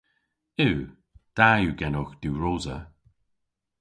Yw. Da yw genowgh diwrosa.